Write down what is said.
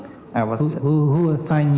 siapa yang menugaskan anda